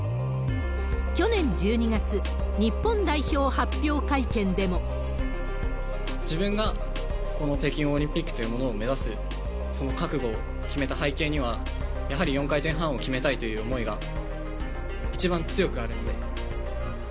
去年１２月、日本代表発表会見でも。自分がこの北京オリンピックというものを目指す、その覚悟を決めた背景には、やはり４回転半を決めたいという思いが一番強くあるので。